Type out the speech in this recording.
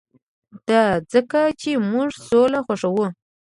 دا ځکه چې موږ سوله خوښوو